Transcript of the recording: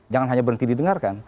jangan hanya berhenti didengarkan